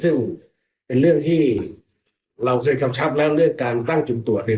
ซึ่งเป็นเรื่องที่เราเคยกำชับแล้วเรื่องการตั้งจุดตรวจเนี่ย